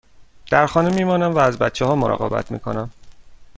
در خانه می مانم و از بچه ها مراقبت می کنم.